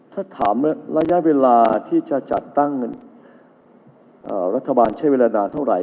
ถ้าถามระยะเวลาที่จะจัดตั้งรัฐบาลใช้เวลานานเท่าไหร่